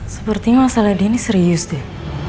sepertinya masalah dennis serius deh